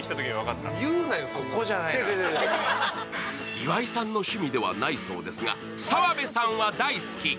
岩井さんの趣味ではないそうですが、澤部さんは大好き。